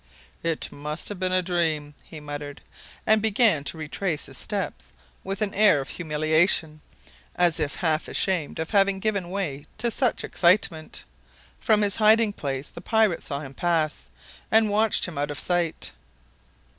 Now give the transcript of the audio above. "It must have been a dream," he muttered, and began to retrace his steps with an air of humiliation, as if half ashamed of having given way to such excitement. From his hiding place the pirate saw him pass, and watched him out of sight.